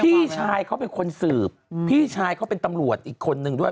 พี่ชายเขาเป็นคนสืบพี่ชายเขาเป็นตำรวจอีกคนนึงด้วย